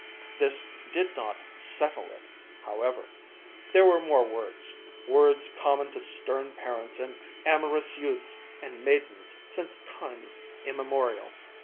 This did not "settle it," however. There were more words words common to stern parents and amorous youths and maidens since time immemorial.